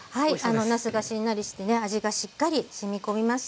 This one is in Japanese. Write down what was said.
なすがしんなりしてね味がしっかりしみ込みました。